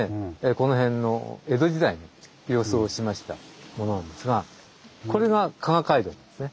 この辺の江戸時代の様子を示したものなんですがこれが加賀街道なんですね。